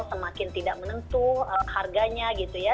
semakin tidak menentu harganya gitu ya